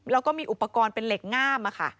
แล้วก็มีอุปกรณ์เป็นเหล็กง่าม